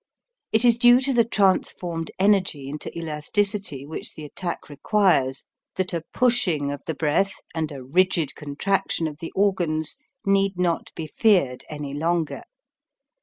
It is due to the trans formed energy into elasticity which the attack requires, that a pushing of the breath and a rigid contraction of the organs need not be feared any longer.